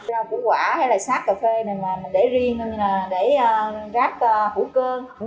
rau củ quả hay là sát cà phê này mình để riêng để rác hủ cơ